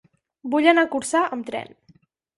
Vull anar a Corçà amb tren.